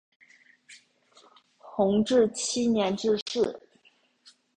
弘治七年致仕。